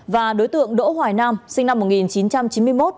và đối tượng đỗ hoài nam sinh năm một nghìn chín trăm chín mươi một